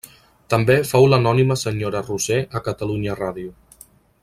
També fou l'anònima senyora Roser a Catalunya Ràdio.